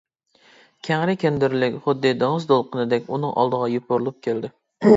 كەڭرى كەندىرلىك خۇددى دېڭىز دولقۇنىدەك ئۇنىڭ ئالدىغا يوپۇرۇلۇپ كەلدى.